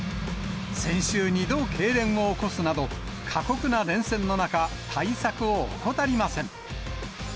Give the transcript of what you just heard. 先週２度けいれんを起こすなど、過酷な連戦の中、対策を怠りません。